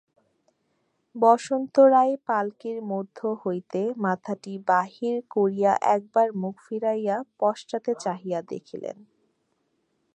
বসন্ত রায় পাল্কীর মধ্য হইতে মাথাটি বাহির করিয়া একবার মুখ ফিরাইয়া পশ্চাতে চাহিয়া দেখিলেন।